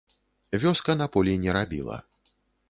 Вёска на полі не рабіла.